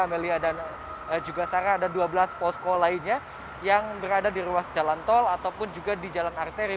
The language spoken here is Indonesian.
amelia dan juga sarah ada dua belas posko lainnya yang berada di ruas jalan tol ataupun juga di jalan arteri